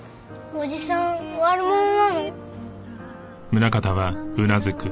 おじさん悪者なの？